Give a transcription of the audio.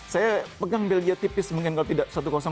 saya pegang belgia tipis mungkin kalau tidak satu